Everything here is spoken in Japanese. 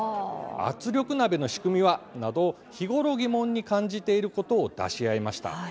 圧力鍋の仕組みは？など日頃、疑問に感じていることを出し合いました。